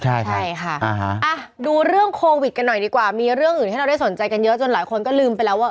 ใช่ค่ะดูเรื่องโควิดกันหน่อยดีกว่ามีเรื่องอื่นให้เราได้สนใจกันเยอะจนหลายคนก็ลืมไปแล้วว่า